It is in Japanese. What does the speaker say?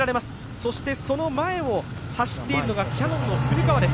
そしてその前を走っているのがキヤノンの古川です。